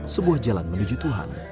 sebuah jalan menuju tuhan